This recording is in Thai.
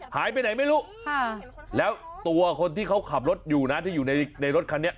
หายไปไหนไม่รู้แล้วตัวคนที่เขาขับรถอยู่นะที่อยู่ในรถคันนี้